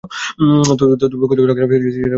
তবে কোথাও থাকলেও সেটা হচ্ছে মন্দ বা খেলাপি ঋণ।